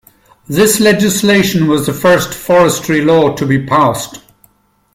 This legislation was the first forestry law to be passed.